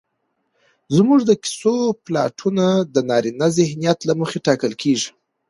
زموږ د کيسو پلاټونه د نارينه ذهنيت له مخې ټاکل کېږي